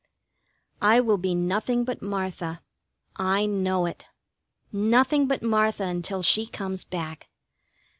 I will be nothing but Martha. I know it. Nothing but Martha until she comes back.